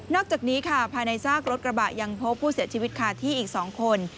จากนี้ค่ะภายในซากรถกระบะยังพบผู้เสียชีวิตคาที่อีก๒คน